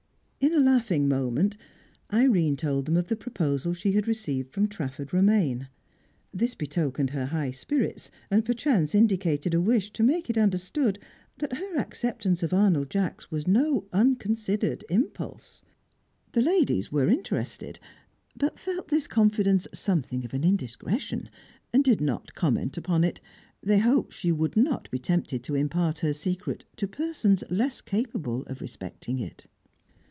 In a laughing moment, Irene told them of the proposal she had received from Trafford Romaine. This betokened her high spirits, and perchance indicated a wish to make it understood that her acceptance of Arnold Jacks was no unconsidered impulse. The ladies were interested, but felt this confidence something of an indiscretion, and did not comment upon it. They hoped she would not be tempted to impart her secret to persons less capable of respecting it.